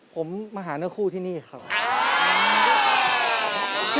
ผมมาหาเนื้อคู่ที่นี่ครับ